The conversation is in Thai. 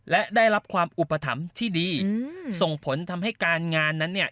และได้รับความอุปถัมภ์ที่ดีส่งผลทำให้การงานนั้นเนี่ย